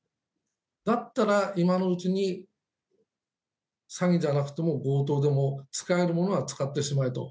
だったら、今のうちに詐欺じゃなくても強盗でも使えるものは使ってしまえと。